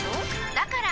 だから！